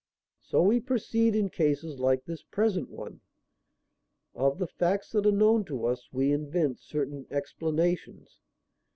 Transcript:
"So we proceed in cases like this present one. Of the facts that are known to us we invent certain explanations.